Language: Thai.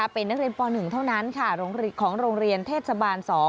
เป็นนักเรียนป๑เท่านั้นค่ะของโรงเรียนเทศบาล๒